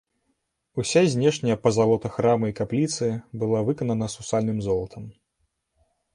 Уся знешняя пазалота храма і капліцы была выканана сусальным золатам.